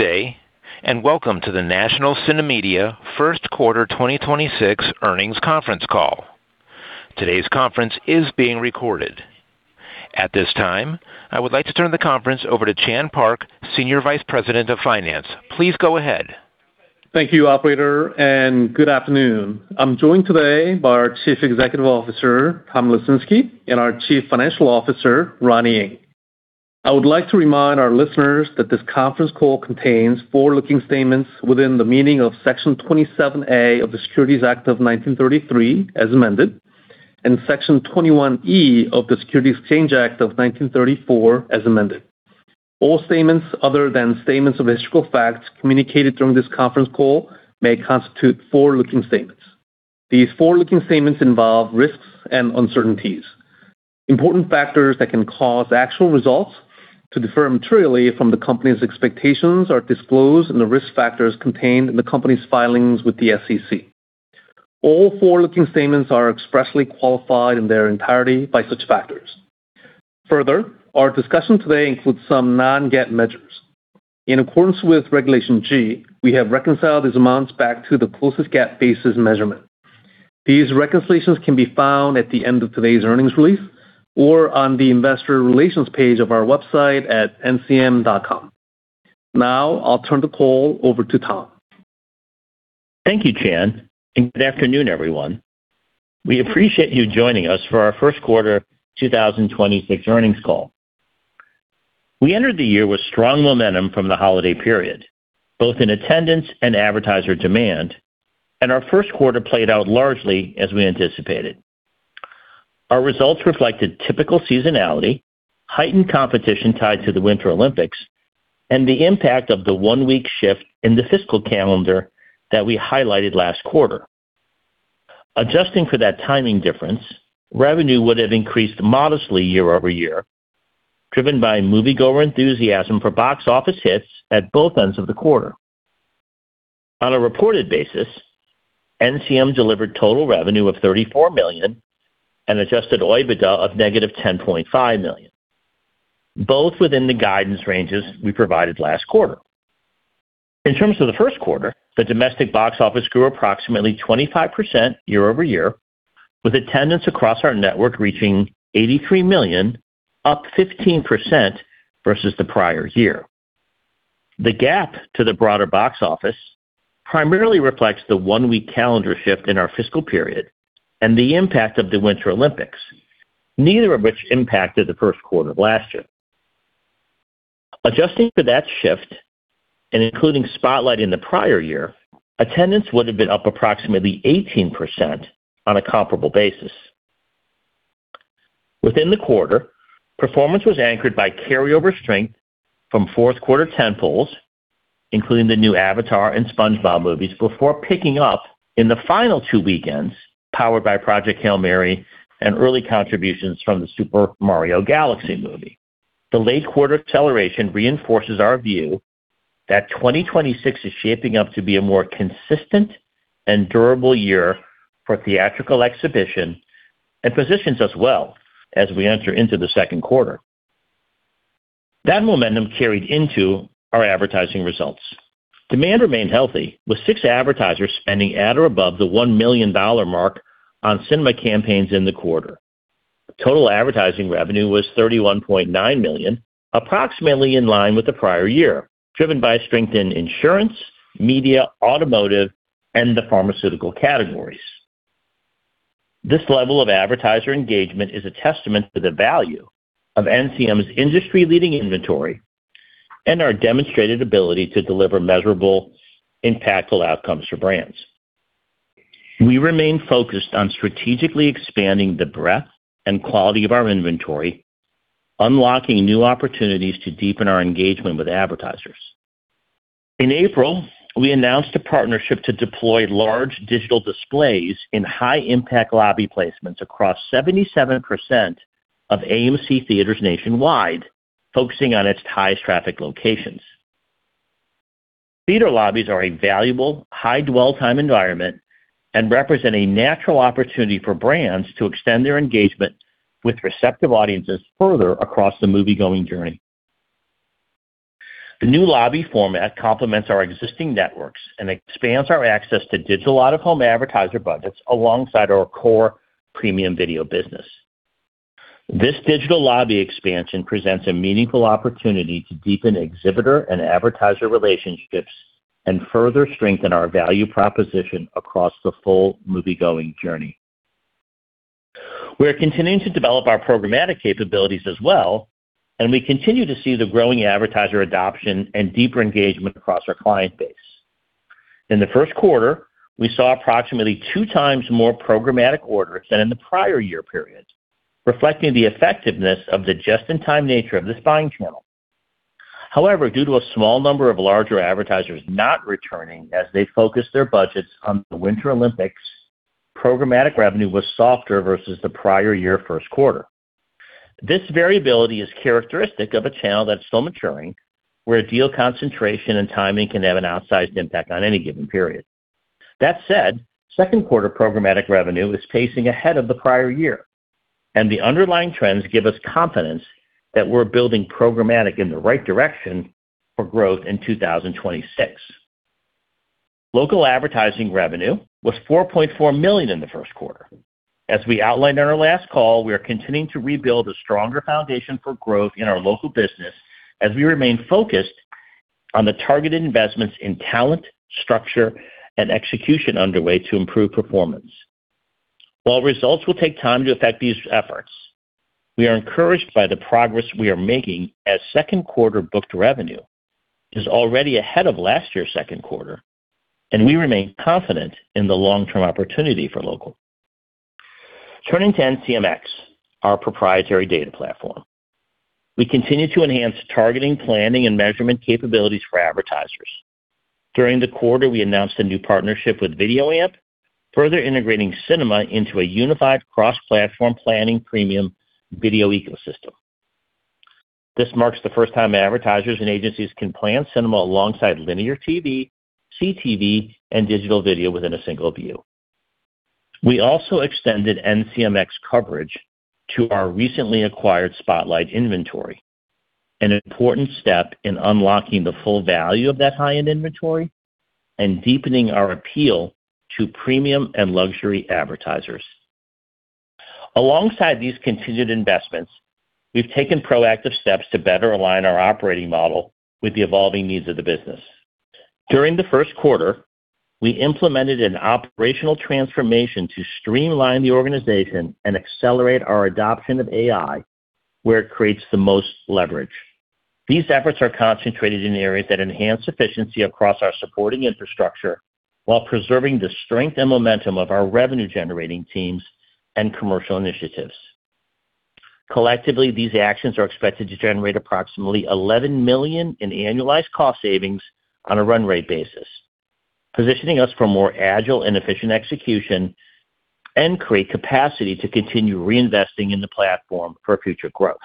Day, and welcome to the National CineMedia First Quarter 2026 Earnings Conference Call. Today's conference is being recorded. At this time, I would like to turn the conference over to Chan Park, Senior Vice President of Finance. Please go ahead. Thank you, operator. Good afternoon. I'm joined today by our Chief Executive Officer, Tom Lesinski, and our Chief Financial Officer, Ronnie Ng. I would like to remind our listeners that this conference call contains forward-looking statements within the meaning of Section 27A of the Securities Act of 1933, as amended, and Section 21E of the Securities Exchange Act of 1934, as amended. All statements other than statements of historical facts communicated during this conference call may constitute forward-looking statements. These forward-looking statements involve risks and uncertainties. Important factors that can cause actual results to differ materially from the company's expectations are disclosed in the risk factors contained in the company's filings with the SEC. All forward-looking statements are expressly qualified in their entirety by such factors. Further, our discussion today includes some non-GAAP measures. In accordance with Regulation G, we have reconciled these amounts back to the closest GAAP basis measurement. These reconciliations can be found at the end of today's earnings release or on the Investor Relations page of our website at ncm.com. Now I'll turn the call over to Tom. Thank you, Chan. Good afternoon, everyone. We appreciate you joining us for our first quarter 2026 earnings call. We entered the year with strong momentum from the holiday period, both in attendance and advertiser demand. Our first quarter played out largely as we anticipated. Our results reflected typical seasonality, heightened competition tied to the Winter Olympics, and the impact of the one-week shift in the fiscal calendar that we highlighted last quarter. Adjusting for that timing difference, revenue would have increased modestly year-over-year, driven by moviegoer enthusiasm for box office hits at both ends of the quarter. On a reported basis, NCM delivered total revenue of $34 million and adjusted OIBDA of negative $10.5 million, both within the guidance ranges we provided last quarter. In terms of the first quarter, the domestic box office grew approximately 25% year-over-year, with attendance across our network reaching 83 million, up 15% versus the prior year. The gap to the broader box office primarily reflects the one-week calendar shift in our fiscal period and the impact of the Winter Olympics, neither of which impacted the first quarter of last year. Adjusting for that shift and including Spotlight in the prior year, attendance would have been up approximately 18% on a comparable basis. Within the quarter, performance was anchored by carryover strength from fourth quarter tentpoles, including the new Avatar and SpongeBob movies, before picking up in the final two weekends, powered by Project Hail Mary and early contributions from The Super Mario Galaxy Movie. The late quarter acceleration reinforces our view that 2026 is shaping up to be a more consistent and durable year for theatrical exhibition and positions us well as we enter into the second quarter. That momentum carried into our advertising results. Demand remained healthy, with six advertisers spending at or above the $1 million mark on cinema campaigns in the quarter. Total advertising revenue was $31.9 million, approximately in line with the prior year, driven by strength in insurance, media, automotive, and the pharmaceutical categories. This level of advertiser engagement is a testament to the value of NCM's industry-leading inventory and our demonstrated ability to deliver measurable, impactful outcomes for brands. We remain focused on strategically expanding the breadth and quality of our inventory, unlocking new opportunities to deepen our engagement with advertisers. In April, we announced a partnership to deploy large digital displays in high-impact lobby placements across 77% of AMC Theatres nationwide, focusing on its highest traffic locations. Theater lobbies are a valuable, high dwell time environment and represent a natural opportunity for brands to extend their engagement with receptive audiences further across the moviegoing journey. The new lobby format complements our existing networks and expands our access to digital out-of-home advertiser budgets alongside our core premium video business. This digital lobby expansion presents a meaningful opportunity to deepen exhibitor and advertiser relationships and further strengthen our value proposition across the full moviegoing journey. We are continuing to develop our programmatic capabilities as well. We continue to see the growing advertiser adoption and deeper engagement across our client base. In the first quarter, we saw approximately 2x more programmatic orders than in the prior year period, reflecting the effectiveness of the just-in-time nature of this buying channel. Due to a small number of larger advertisers not returning as they focused their budgets on the Winter Olympics, programmatic revenue was softer versus the prior year first quarter. This variability is characteristic of a channel that's still maturing, where deal concentration and timing can have an outsized impact on any given period. That said, second quarter programmatic revenue is pacing ahead of the prior year. The underlying trends give us confidence that we're building programmatic in the right direction for growth in 2026. Local advertising revenue was $4.4 million in the first quarter. As we outlined on our last call, we are continuing to rebuild a stronger foundation for growth in our local business as we remain focused on the targeted investments in talent, structure, and execution underway to improve performance. While results will take time to affect these efforts, we are encouraged by the progress we are making as second quarter booked revenue is already ahead of last year's second quarter, and we remain confident in the long-term opportunity for local. Turning to NCMx, our proprietary data platform. We continue to enhance targeting, planning, and measurement capabilities for advertisers. During the quarter, we announced a new partnership with VideoAmp, further integrating cinema into a unified cross-platform planning premium video ecosystem. This marks the first time advertisers and agencies can plan cinema alongside linear TV, CTV, and digital video within a single view. We also extended NCMx coverage to our recently acquired Spotlight inventory, an important step in unlocking the full value of that high-end inventory and deepening our appeal to premium and luxury advertisers. Alongside these continued investments, we've taken proactive steps to better align our operating model with the evolving needs of the business. During the first quarter, we implemented an operational transformation to streamline the organization and accelerate our adoption of AI where it creates the most leverage. These efforts are concentrated in areas that enhance efficiency across our supporting infrastructure while preserving the strength and momentum of our revenue-generating teams and commercial initiatives. Collectively, these actions are expected to generate approximately $11 million in annualized cost savings on a run rate basis, positioning us for more agile and efficient execution and create capacity to continue reinvesting in the platform for future growth.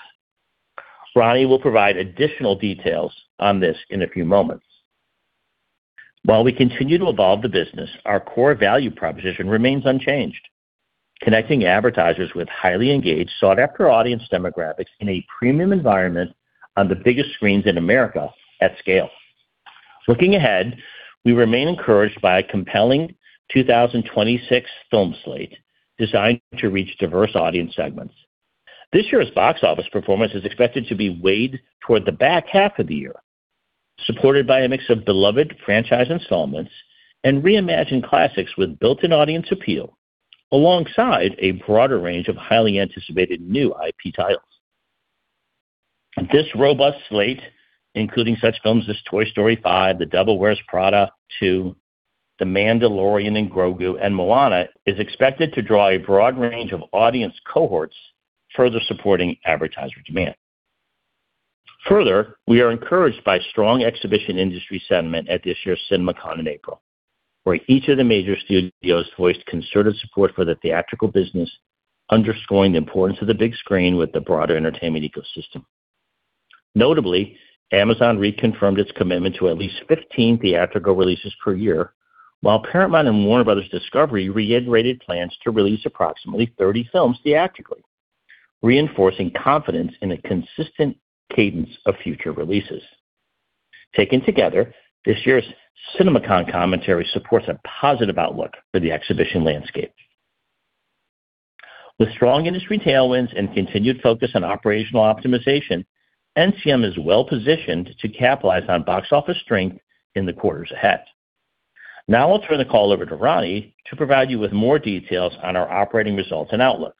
Ronnie will provide additional details on this in a few moments. While we continue to evolve the business, our core value proposition remains unchanged: connecting advertisers with highly engaged, sought-after audience demographics in a premium environment on the biggest screens in America at scale. Looking ahead, we remain encouraged by a compelling 2026 film slate designed to reach diverse audience segments. This year's box office performance is expected to be weighed toward the back half of the year, supported by a mix of beloved franchise installments and reimagined classics with built-in audience appeal alongside a broader range of highly anticipated new IP titles. This robust slate, including such films as Toy Story 5, The Devil Wears Prada 2, The Mandalorian and Grogu, and Moana, is expected to draw a broad range of audience cohorts, further supporting advertiser demand. Further, we are encouraged by strong exhibition industry sentiment at this year's CinemaCon in April, where each of the major studios voiced concerted support for the theatrical business, underscoring the importance of the big screen with the broader entertainment ecosystem. Notably, Amazon reconfirmed its commitment to at least 15 theatrical releases per year, while Paramount and Warner Bros. Discovery reiterated plans to release approximately 30 films theatrically, reinforcing confidence in a consistent cadence of future releases. Taken together, this year's CinemaCon commentary supports a positive outlook for the exhibition landscape. With strong industry tailwinds and continued focus on operational optimization, NCM is well-positioned to capitalize on box office strength in the quarters ahead. I'll turn the call over to Ronnie to provide you with more details on our operating results and outlook.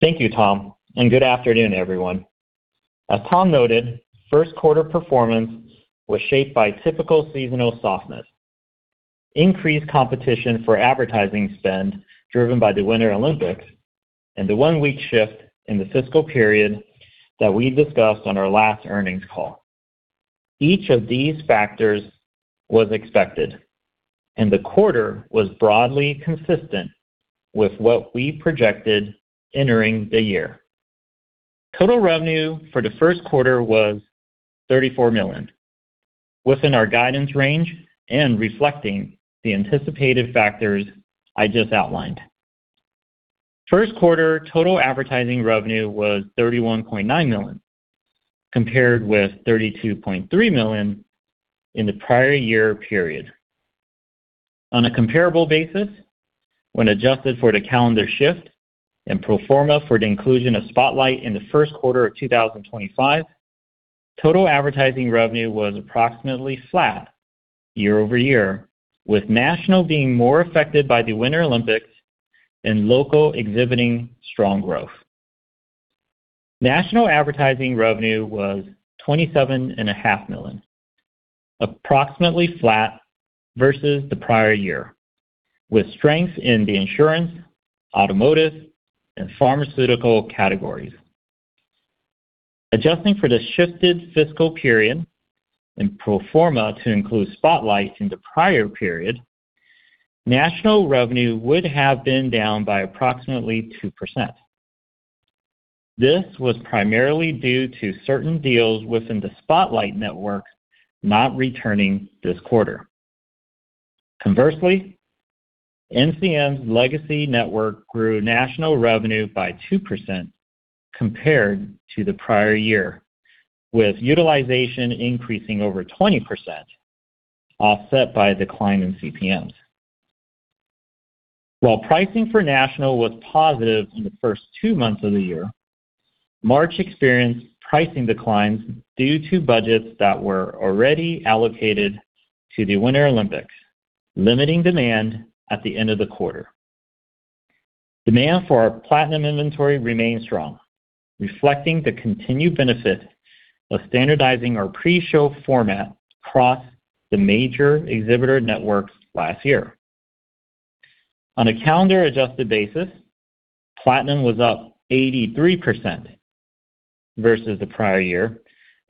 Thank you, Tom, and good afternoon, everyone. As Tom noted, first quarter performance was shaped by typical seasonal softness, increased competition for advertising spend driven by the Winter Olympics, and the one-week shift in the fiscal period that we discussed on our last earnings call. Each of these factors was expected, and the quarter was broadly consistent with what we projected entering the year. Total revenue for the first quarter was $34 million, within our guidance range and reflecting the anticipated factors I just outlined. First quarter total advertising revenue was $31.9 million, compared with $32.3 million in the prior year period. On a comparable basis, when adjusted for the calendar shift and pro forma for the inclusion of Spotlight in the first quarter of 2025, total advertising revenue was approximately flat year-over-year, with national being more affected by the Winter Olympics and local exhibiting strong growth. National advertising revenue was $27.5 million, approximately flat versus the prior year, with strength in the insurance, automotive, and pharmaceutical categories. Adjusting for the shifted fiscal period and pro forma to include Spotlight in the prior period, national revenue would have been down by approximately 2%. This was primarily due to certain deals within the Spotlight network not returning this quarter. Conversely, NCM's legacy network grew national revenue by 2% compared to the prior year, with utilization increasing over 20%, offset by decline in CPMs. While pricing for national was positive in the first two months of the year, March experienced pricing declines due to budgets that were already allocated to the Winter Olympics, limiting demand at the end of the quarter. Demand for our Platinum inventory remained strong, reflecting the continued benefit of standardizing our pre-show format across the major exhibitor networks last year. On a calendar adjusted basis, Platinum was up 83% versus the prior year,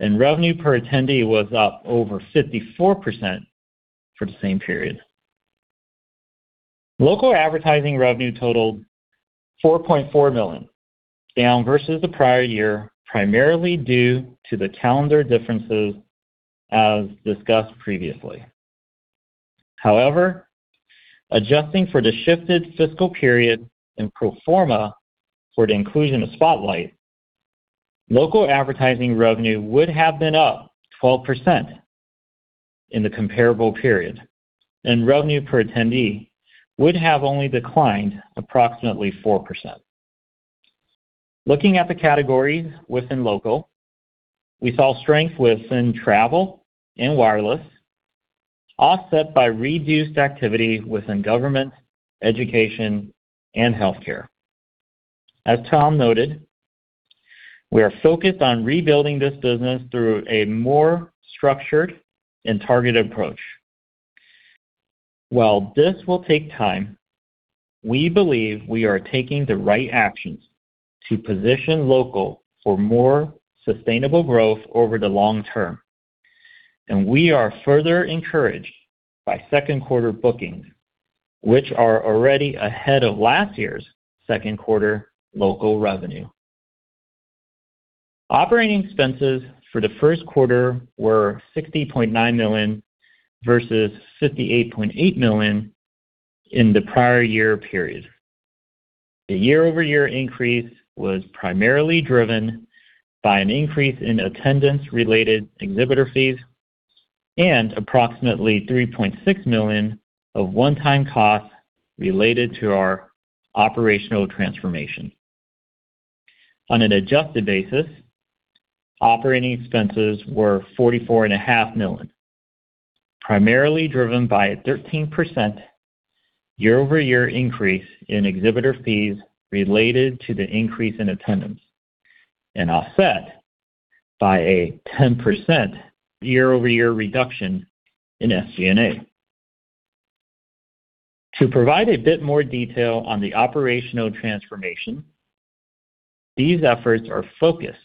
and revenue per attendee was up over 54% for the same period. Local advertising revenue totaled $4.4 million, down versus the prior year, primarily due to the calendar differences as discussed previously. However, adjusting for the shifted fiscal period and pro forma for the inclusion of Spotlight, local advertising revenue would have been up 12% in the comparable period, and revenue per attendee would have only declined approximately 4%. Looking at the categories within local, we saw strength within travel and wireless, offset by reduced activity within government, education, and healthcare. As Tom noted, we are focused on rebuilding this business through a more structured and targeted approach. While this will take time, we believe we are taking the right actions to position local for more sustainable growth over the long term, and we are further encouraged by second quarter bookings, which are already ahead of last year's second quarter local revenue. Operating expenses for the first quarter were $60.9 million versus $58.8 million in the prior year period. The year-over-year increase was primarily driven by an increase in attendance-related exhibitor fees and approximately $3.6 million of one-time costs related to our operational transformation. On an adjusted basis, operating expenses were $44.5 million, primarily driven by a 13% year-over-year increase in exhibitor fees related to the increase in attendance and offset by a 10% year-over-year reduction in SG&A. To provide a bit more detail on the operational transformation, these efforts are focused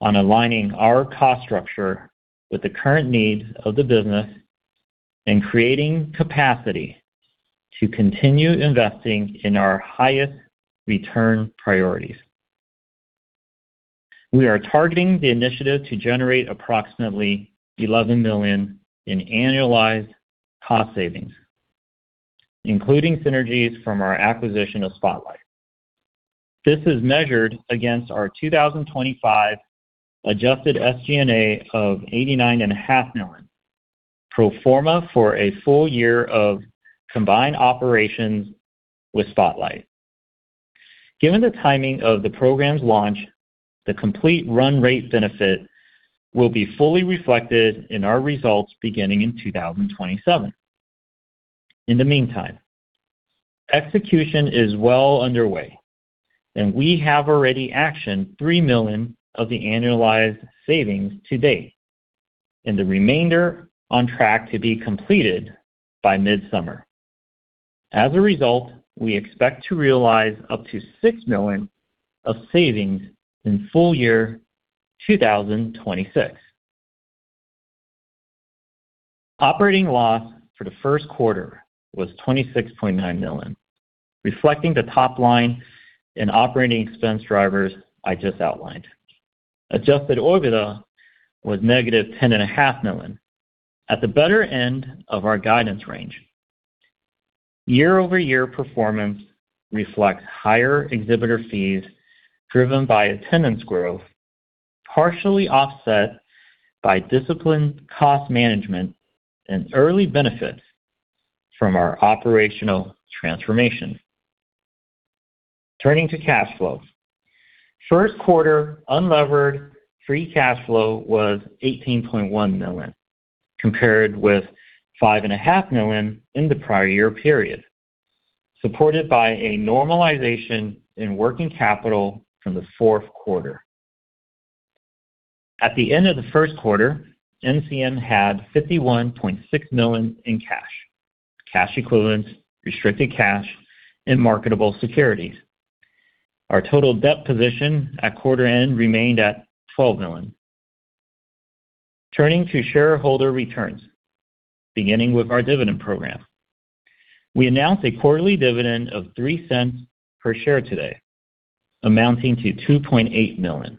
on aligning our cost structure with the current needs of the business and creating capacity to continue investing in our highest return priorities. We are targeting the initiative to generate approximately $11 million in annualized cost savings, including synergies from our acquisition of Spotlight. This is measured against our 2025 adjusted SG&A of $89.5 million pro forma for a full year of combined operations with Spotlight. Given the timing of the program's launch, the complete run rate benefit will be fully reflected in our results beginning in 2027. In the meantime, execution is well underway. We have already actioned $3 million of the annualized savings to date and the remainder on track to be completed by mid-summer. As a result, we expect to realize up to $6 million of savings in full year 2026. Operating loss for the first quarter was $26.9 million, reflecting the top line and operating expense drivers I just outlined. Adjusted OIBDA was -$10.5 million at the better end of our guidance range. Year-over-year performance reflects higher exhibitor fees driven by attendance growth, partially offset by disciplined cost management and early benefits from our operational transformation. Turning to cash flows. First quarter unlevered free cash flow was $18.1 million, compared with $5.5 million in the prior year period, supported by a normalization in working capital from the fourth quarter. At the end of the first quarter, NCM had $51.6 million in cash equivalents, restricted cash, and marketable securities. Our total debt position at quarter end remained at $12 million. Turning to shareholder returns, beginning with our dividend program. We announced a quarterly dividend of $0.03 per share today, amounting to $2.8 million.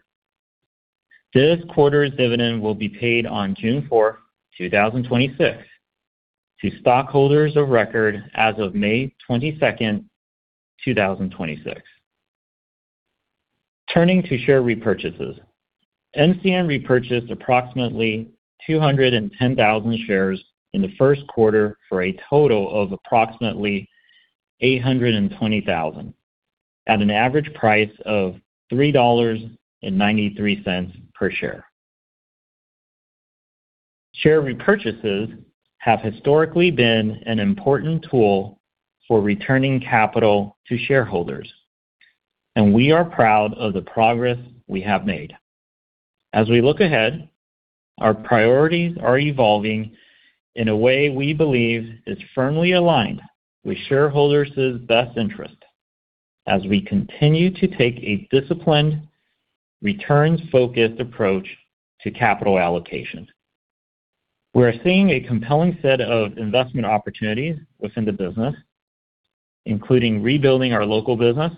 This quarter's dividend will be paid on June 4th, 2026 to stockholders of record as of May 22nd, 2026. Turning to share repurchases. NCM repurchased approximately 210,000 shares in the first quarter for a total of approximately $820,000 at an average price of $3.93 per share. Share repurchases have historically been an important tool for returning capital to shareholders, and we are proud of the progress we have made. As we look ahead, our priorities are evolving in a way we believe is firmly aligned with shareholders' best interest as we continue to take a disciplined, returns-focused approach to capital allocation. We're seeing a compelling set of investment opportunities within the business, including rebuilding our local business,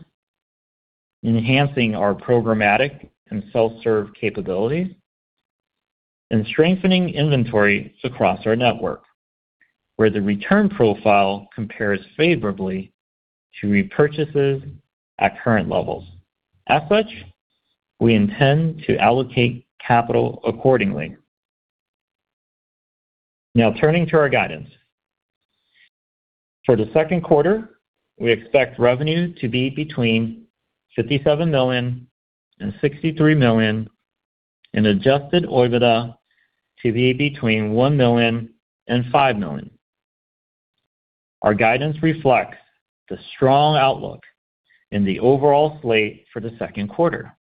enhancing our programmatic and self-serve capabilities, and strengthening inventories across our network, where the return profile compares favorably to repurchases at current levels. As such, we intend to allocate capital accordingly. Now turning to our guidance. For the second quarter, we expect revenue to be between $57 million and $63 million and adjusted OIBDA to be between $1 million and $5 million. Our guidance reflects the strong outlook in the overall slate for the second quarter,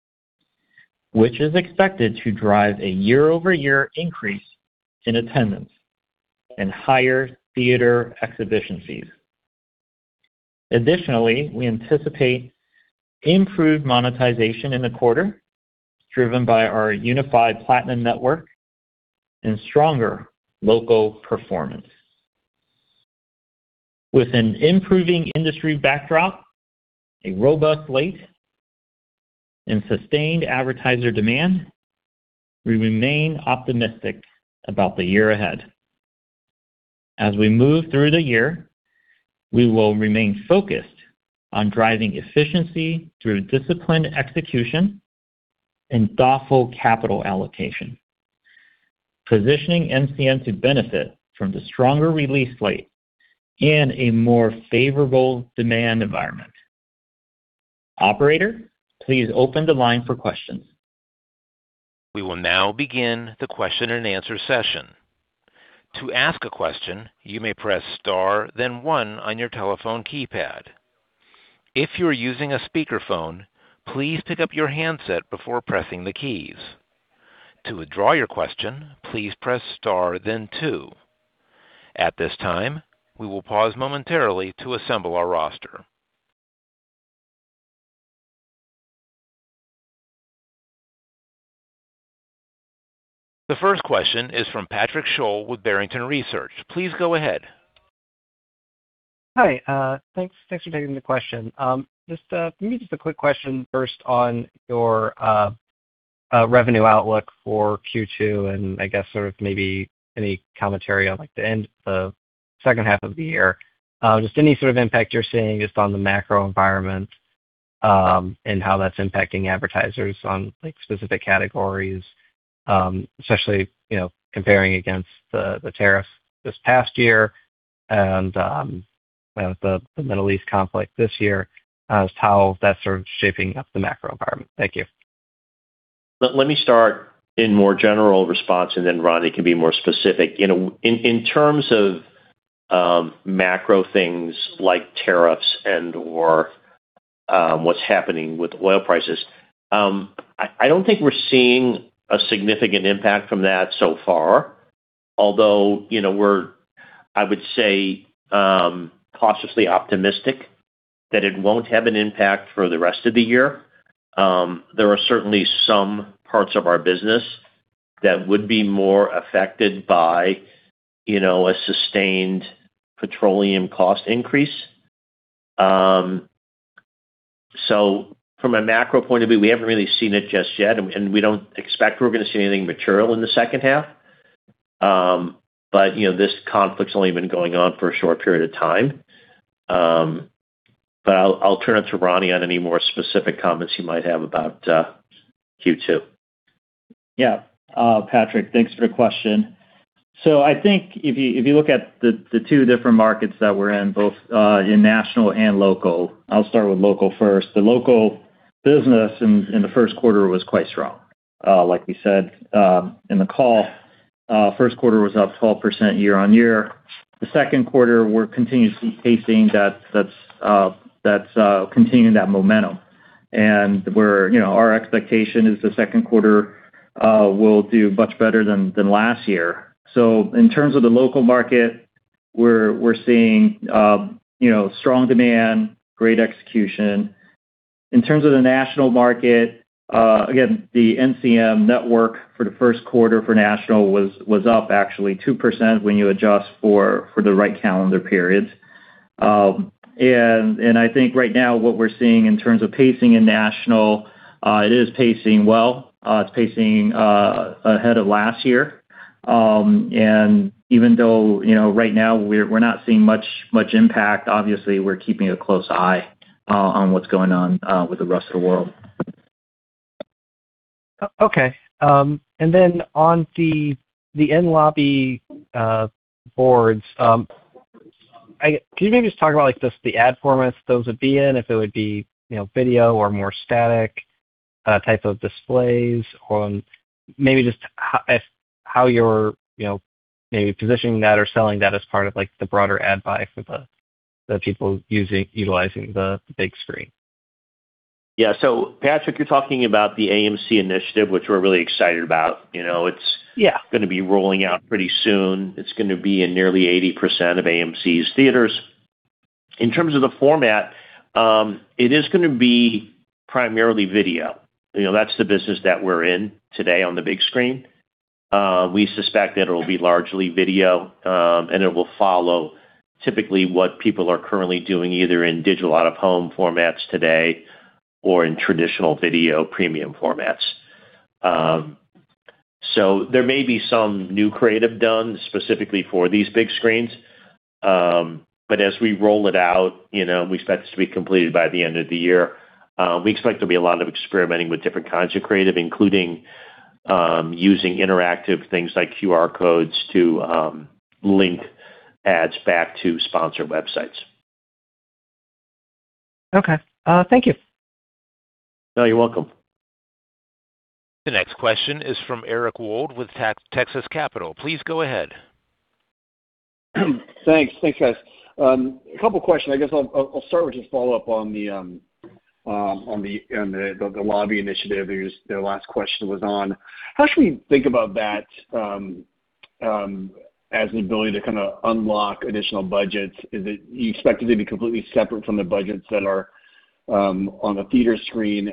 which is expected to drive a year-over-year increase in attendance and higher theater exhibition fees. Additionally, we anticipate improved monetization in the quarter, driven by our unified Platinum network and stronger local performance. With an improving industry backdrop, a robust slate, and sustained advertiser demand, we remain optimistic about the year ahead. As we move through the year, we will remain focused on driving efficiency through disciplined execution and thoughtful capital allocation, positioning NCM to benefit from the stronger release slate and a more favorable demand environment. Operator, please open the line for questions. We will now begin the question-and-answer session. To ask a question, you may press star then one on your telephone keypad. If you are using a speakerphone, please pick up your handset before pressing the keys. To withdraw your question, please press star then two. At this time, we will pause momentarily to assemble our roster. The first question is from Patrick Sholl with Barrington Research. Please go ahead. Hi. Thanks for taking the question. Just maybe just a quick question first on your revenue outlook for Q2, and I guess sort of maybe any commentary on, like, the end of the second half of the year. Just any sort of impact you're seeing just on the macro environment, and how that's impacting advertisers on, like, specific categories, especially, you know, comparing against the tariffs this past year and, you know, the Middle East conflict this year as how that's sort of shaping up the macro environment. Thank you. Let me start in more general response, and then Ronnie can be more specific. You know, in terms of macro things like tariffs and/or what's happening with oil prices, I don't think we're seeing a significant impact from that so far. Although, you know, we're, I would say, cautiously optimistic that it won't have an impact for the rest of the year. There are certainly some parts of our business that would be more affected by, you know, a sustained petroleum cost increase. From a macro point of view, we haven't really seen it just yet, and we don't expect we're gonna see anything material in the second half. You know, this conflict's only been going on for a short period of time. I'll turn it to Ronnie on any more specific comments he might have about Q2. Patrick, thanks for the question. I think if you look at the two different markets that we're in, both in national and local, I'll start with local first. The local business in the first quarter was quite strong. Like we said, in the call, first quarter was up 12% year-on-year. The second quarter, we're continuously pacing that's continuing that momentum. You know, our expectation is the second quarter will do much better than last year. In terms of the local market, we're seeing, you know, strong demand, great execution. In terms of the national market, again, the NCM network for the first quarter for national was up actually 2% when you adjust for the right calendar periods. I think right now what we're seeing in terms of pacing in national, it is pacing well. It's pacing ahead of last year. Even though, you know, right now we're not seeing much impact, obviously we're keeping a close eye on what's going on with the rest of the world. Okay. Then on the in-lobby boards, can you maybe just talk about, like, just the ad formats those would be in, if it would be, you know, video or more static type of displays? Maybe just how you're, you know, maybe positioning that or selling that as part of, like, the broader ad buy for the people utilizing the big screen. Yeah. Patrick, you're talking about the AMC initiative, which we're really excited about. You know. Yeah. Gonna be rolling out pretty soon. It's gonna be in nearly 80% of AMC Theaters. In terms of the format, it is gonna be primarily video. You know, that's the business that we're in today on the big screen. We suspect that it'll be largely video, and it will follow typically what people are currently doing, either in digital out-of-home formats today or in traditional video premium formats. There may be some new creative done specifically for these big screens. As we roll it out, you know, we expect this to be completed by the end of the year, we expect there'll be a lot of experimenting with different kinds of creative, including using interactive things like QR codes to link ads back to sponsor websites. Okay. Thank you. No, you're welcome. The next question is from Eric Wold with Texas Capital. Please go ahead. Thanks. Thanks, guys. A couple questions. I guess I'll start with just follow-up on the on the in-lobby initiative their last question was on. How should we think about that as the ability to kinda unlock additional budgets? You expect it to be completely separate from the budgets that are on the theater screen?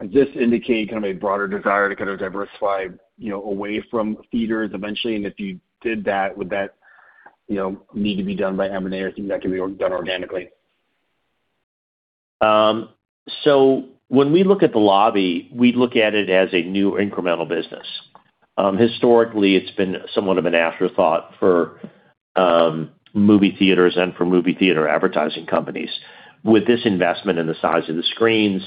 Does this indicate kind of a broader desire to kind of diversify, you know, away from theaters eventually? If you did that, would that, you know, need to be done by M&A or do you think that can be done organically? When we look at the lobby, we look at it as a new incremental business. Historically, it's been somewhat of an afterthought for movie theaters and for movie theater advertising companies. With this investment and the size of the screens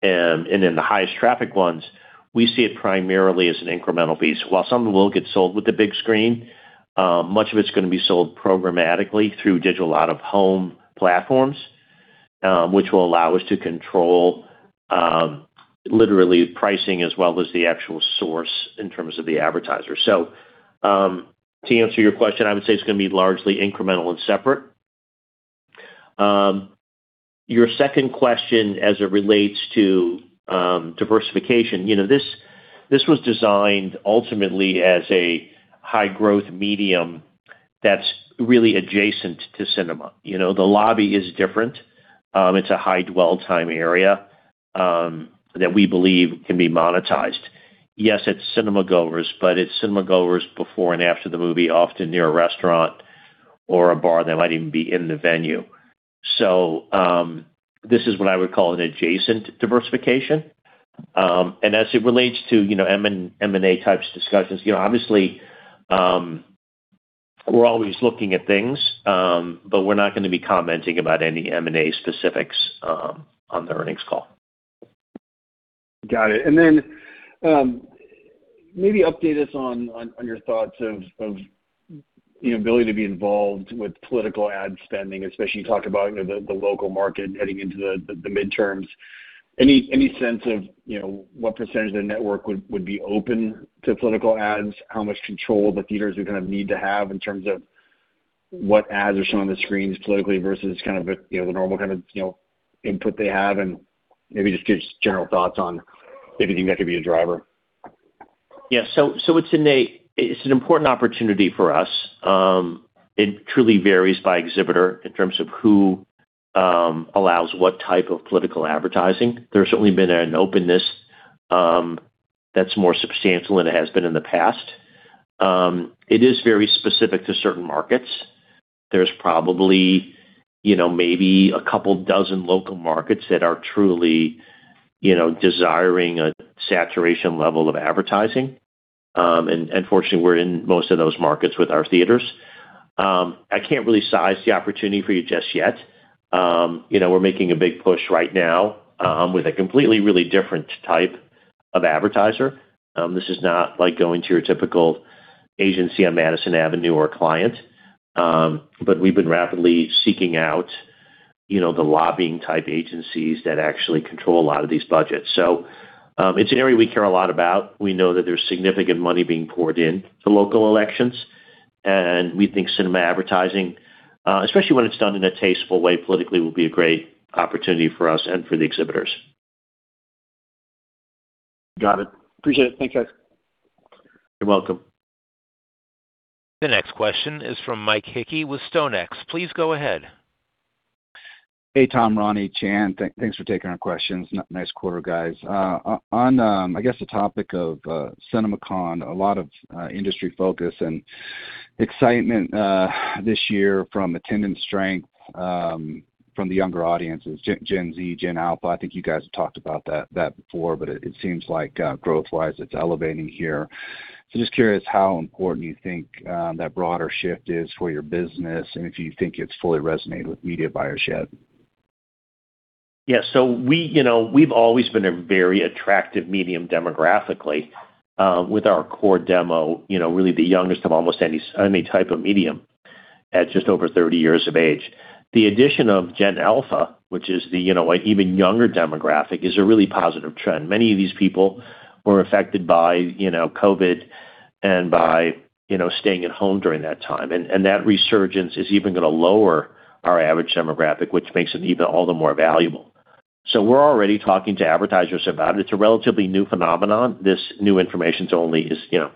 and in the highest traffic ones, we see it primarily as an incremental piece. While some will get sold with the big screen, much of it's gonna be sold programmatically through digital out-of-home platforms, which will allow us to control, literally pricing as well as the actual source in terms of the advertiser. To answer your question, I would say it's gonna be largely incremental and separate. Your second question as it relates to diversification, you know, this was designed ultimately as a high-growth medium that's really adjacent to cinema. You know, the lobby is different. It's a high dwell time area that we believe can be monetized. Yes, it's cinema-goers, but it's cinema-goers before and after the movie, often near a restaurant or a bar that might even be in the venue. This is what I would call an adjacent diversification. And as it relates to, you know, M&A types discussions, you know, obviously, we're always looking at things, but we're not gonna be commenting about any M&A specifics on the earnings call. Got it. Maybe update us on your thoughts of, you know, ability to be involved with political ad spending, especially you talked about, you know, the local market heading into the midterms. Any sense of, you know, what percentage of the network would be open to political ads? How much control the theaters are gonna need to have in terms of what ads are shown on the screens politically versus kind of the, you know, the normal kind of, you know, input they have? Maybe just give us general thoughts on if you think that could be a driver. Yeah. It's an important opportunity for us. It truly varies by exhibitor in terms of who allows what type of political advertising. There's certainly been an openness that's more substantial than it has been in the past. It is very specific to certain markets. There's probably, you know, maybe a couple dozen local markets that are truly, you know, desiring a saturation level of advertising. Unfortunately, we're in most of those markets with our theaters. I can't really size the opportunity for you just yet. You know, we're making a big push right now with a completely really different type of advertiser. This is not like going to your typical agency on Madison Avenue or a client. We've been rapidly seeking out, you know, the lobbying type agencies that actually control a lot of these budgets. It's an area we care a lot about. We know that there's significant money being poured in to local elections, and we think cinema advertising, especially when it's done in a tasteful way politically, will be a great opportunity for us and for the exhibitors. Got it. Appreciate it. Thanks, guys. You're welcome. The next question is from Mike Hickey with StoneX. Please go ahead. Hey, Tom, Ronnie, Chan. Thanks for taking our questions. Nice quarter, guys. On, I guess the topic of CinemaCon, a lot of industry focus and excitement this year from attendance strength from the younger audiences, Gen Z, Gen Alpha. I think you guys have talked about that before, but it seems like growth-wise it's elevating here. Just curious how important you think that broader shift is for your business and if you think it's fully resonated with media buyers yet. Yeah. We, you know, we've always been a very attractive medium demographically, with our core demo, you know, really the youngest of almost any type of medium at just over 30 years of age. The addition of Gen Alpha, which is the, you know, like even younger demographic, is a really positive trend. Many of these people were affected by, you know, COVID and by, you know, staying at home during that time. That resurgence is even gonna lower our average demographic, which makes them even all the more valuable. We're already talking to advertisers about it. It's a relatively new phenomenon. This new information's only, you know,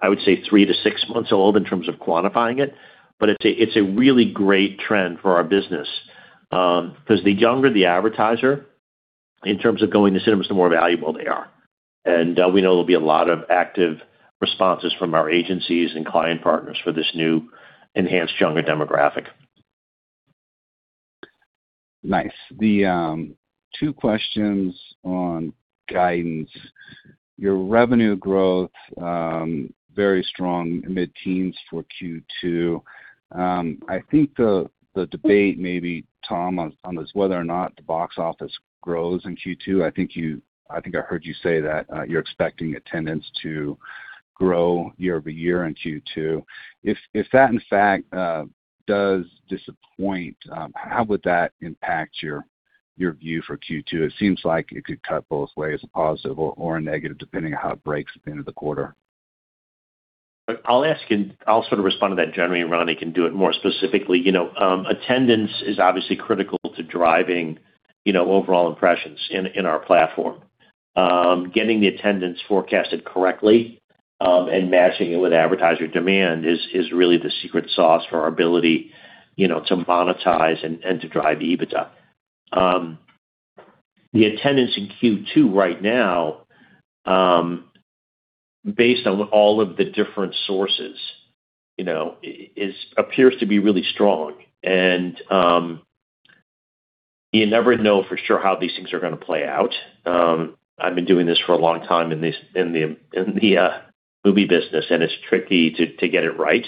I would say three to six months old in terms of quantifying it. It's a really great trend for our business, 'cause the younger the advertiser in terms of going to cinemas, the more valuable they are. We know there'll be a lot of active responses from our agencies and client partners for this new enhanced younger demographic. Nice. The two questions on guidance. Your revenue growth, very strong mid-teens for Q2. I think the debate maybe, Tom, on this whether or not the box office grows in Q2, I think I heard you say that you're expecting attendance to grow year-over-year in Q2. If that in fact does disappoint, how would that impact your view for Q2? It seems like it could cut both ways, a positive or a negative, depending on how it breaks at the end of the quarter. I'll ask and I'll sort of respond to that generally, and Ronnie can do it more specifically. You know, attendance is obviously critical to driving, you know, overall impressions in our platform. Getting the attendance forecasted correctly, and matching it with advertiser demand is really the secret sauce for our ability, you know, to monetize and to drive the EBITDA. The attendance in Q2 right now, based on all of the different sources, you know, appears to be really strong. You never know for sure how these things are gonna play out. I've been doing this for a long time in the movie business, and it's tricky to get it right.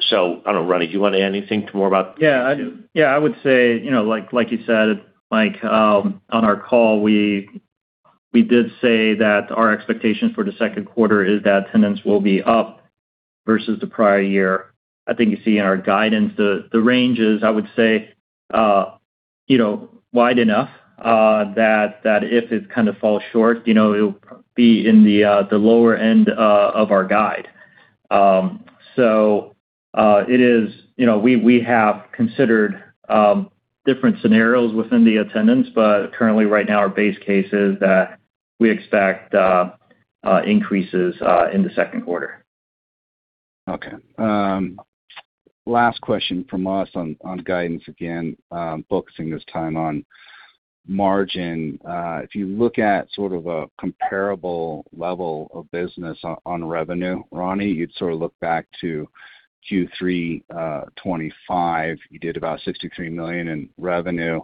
I don't know, Ronnie, do you wanna add anything more about Q2? I would say, you know, like you said, Mike, on our call, we did say that our expectation for the second quarter is that attendance will be up versus the prior year. I think you see in our guidance the ranges, I would say, you know, wide enough that if it kind of falls short, you know, it'll be in the lower end of our guide. It is, you know, we have considered different scenarios within the attendance, but currently right now our base case is that we expect increases in the second quarter. Last question from us on guidance again, focusing this time on margin. If you look at sort of a comparable level of business on revenue, Ronnie, you'd sort of look back to Q3 2025. You did about $63 million in revenue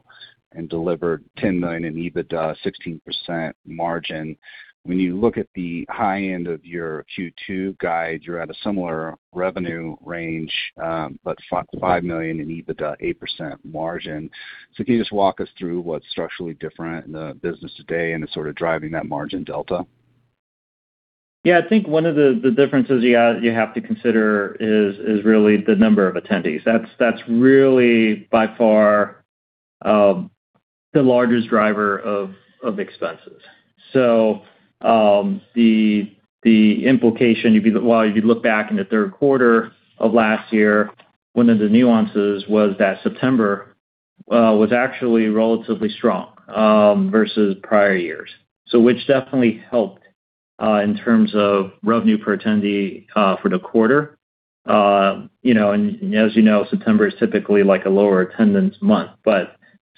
and delivered $10 million in EBITDA, 16% margin. When you look at the high end of your Q2 guide, you're at a similar revenue range, but $5 million in EBITDA, 8% margin. Can you just walk us through what's structurally different in the business today and is sort of driving that margin delta? I think one of the differences you have to consider is really the number of attendees. That's really by far the largest driver of expenses. The implication, if you look back in the third quarter of last year, one of the nuances was that September was actually relatively strong versus prior years. Which definitely helped in terms of revenue per attendee for the quarter. You know, as you know, September is typically like a lower attendance month,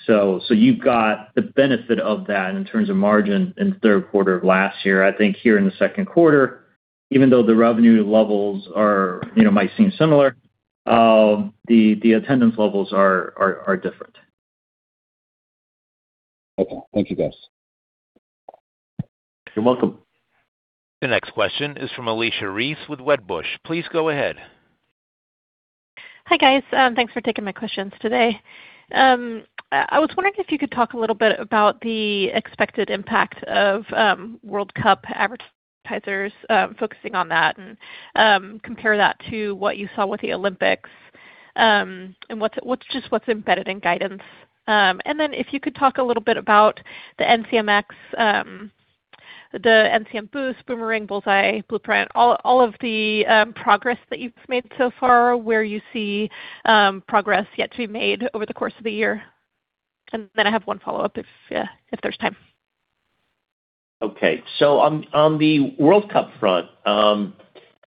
you've got the benefit of that in terms of margin in the third quarter of last year. I think here in the second quarter, even though the revenue levels are, you know, might seem similar, the attendance levels are different. Okay. Thank you, guys. You're welcome. The next question is from Alicia Reese with Wedbush. Please go ahead. Hi, guys. Thanks for taking my questions today. I was wondering if you could talk a little bit about the expected impact of World Cup advertisers, focusing on that and compare that to what you saw with the Olympics. What's embedded in guidance. If you could talk a little bit about the NCMx, The NCM Boost, Boomerang, Bullseye, Blueprint, all of the progress that you've made so far, where you see progress yet to be made over the course of the year. I have one follow-up if, yeah, if there's time. On the World Cup front,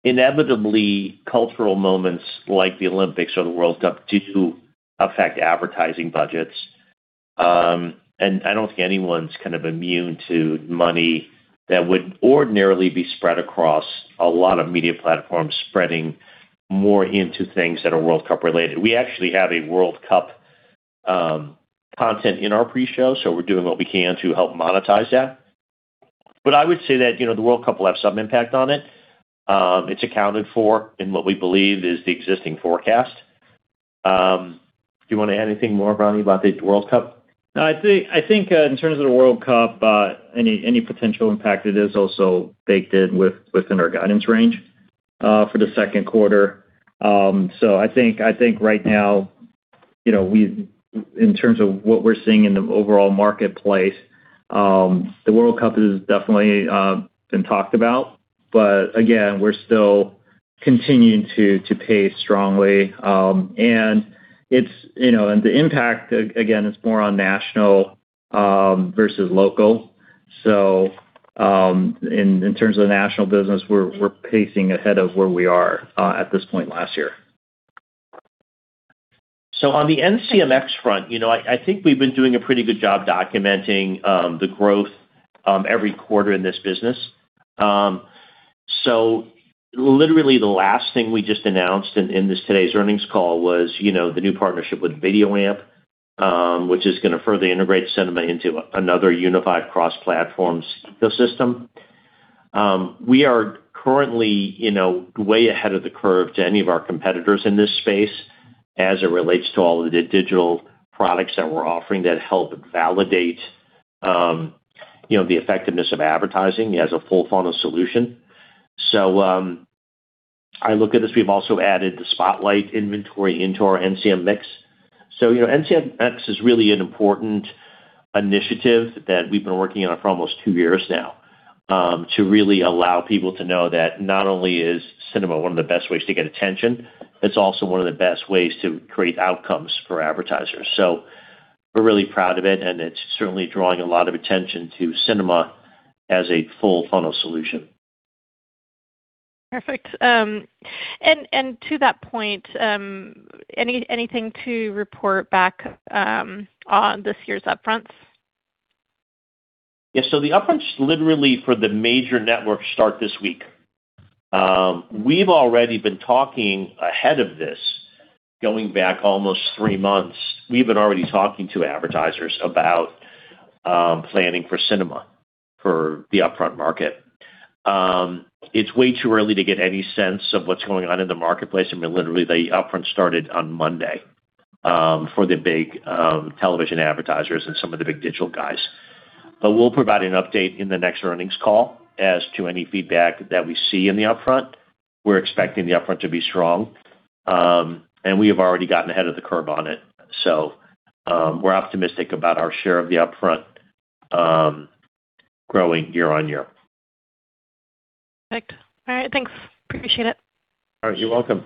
inevitably, cultural moments like the Olympics or the World Cup do affect advertising budgets. I don't think anyone's kind of immune to money that would ordinarily be spread across a lot of media platforms spreading more into things that are World Cup related. We actually have a World Cup content in our pre-show, we're doing what we can to help monetize that. I would say that, you know, the World Cup will have some impact on it. It's accounted for in what we believe is the existing forecast. Do you wanna add anything more, Ronnie, about the World Cup? I think, in terms of the World Cup, any potential impact it is also baked within our guidance range for the second quarter. I think right now, you know, in terms of what we're seeing in the overall marketplace, the World Cup has definitely been talked about. Again, we're still continuing to pace strongly. It's, you know, the impact again, is more on National versus local. In terms of the National business, we're pacing ahead of where we are at this point last year. On the NCMx front, you know, I think we've been doing a pretty good job documenting the growth every quarter in this business. Literally the last thing we just announced in this today's earnings call was, you know, the new partnership with VideoAmp, which is gonna further integrate cinema into another unified cross-platform ecosystem. We are currently, you know, way ahead of the curve to any of our competitors in this space as it relates to all of the digital products that we're offering that help validate, you know, the effectiveness of advertising as a full funnel solution. I look at this, we've also added the Spotlight inventory into our NCMx. You know, NCMx is really an important initiative that we've been working on for almost two years now, to really allow people to know that not only is cinema one of the best ways to get attention, it's also one of the best ways to create outcomes for advertisers. We're really proud of it, and it's certainly drawing a lot of attention to cinema as a full funnel solution. Perfect. To that point, anything to report back on this year's upfronts? Yeah. The upfronts literally for the major networks start this week. We've already been talking ahead of this, going back almost three months. We've been already talking to advertisers about planning for cinema for the upfront market. It's way too early to get any sense of what's going on in the marketplace. I mean, literally, the upfront started on Monday for the big television advertisers and some of the big digital guys. We'll provide an update in the next earnings call as to any feedback that we see in the upfront. We're expecting the upfront to be strong. We have already gotten ahead of the curve on it. We're optimistic about our share of the upfront growing year-over-year. Perfect. All right, thanks. Appreciate it. All right, you're welcome.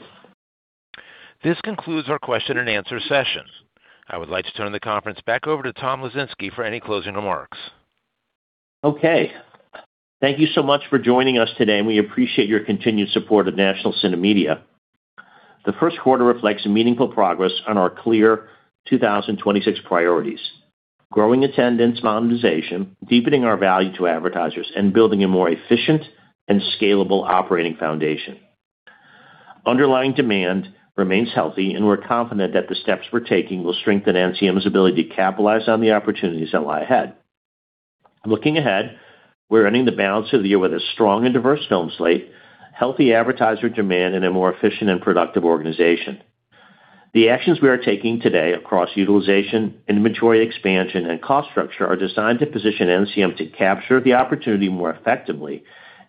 This concludes our question and answer session. I would like to turn the conference back over to Tom Lesinski for any closing remarks. Okay. Thank you so much for joining us today, and we appreciate your continued support of National CineMedia. The first quarter reflects meaningful progress on our clear 2026 priorities, growing attendance, monetization, deepening our value to advertisers, and building a more efficient and scalable operating foundation. Underlying demand remains healthy. We're confident that the steps we're taking will strengthen NCM's ability to capitalize on the opportunities that lie ahead. Looking ahead, we're ending the balance of the year with a strong and diverse film slate, healthy advertiser demand, and a more efficient and productive organization. The actions we are taking today across utilization, inventory expansion, and cost structure are designed to position NCM to capture the opportunity more effectively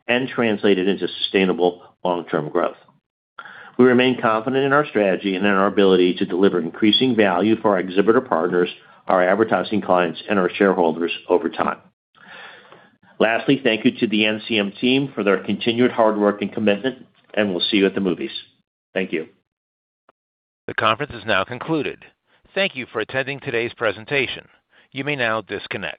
and translate it into sustainable long-term growth. We remain confident in our strategy and in our ability to deliver increasing value for our exhibitor partners, our advertising clients, and our shareholders over time. Thank you to the NCM team for their continued hard work and commitment, and we'll see you at the movies. Thank you. The conference is now concluded. Thank you for attending today's presentation. You may now disconnect.